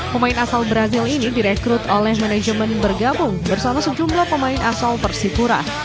pemain asal brazil ini direkrut oleh manajemen bergabung bersama sejumlah pemain asal persipura